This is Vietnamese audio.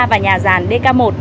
và nhà ràn dk một